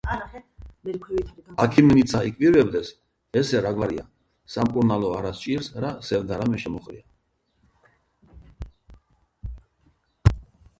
აქიმნიცა იკვირვებდეს: ესე რა გვარია? სამკურნალო არა სჭირს რა სევდა რამე შემოჰყრია.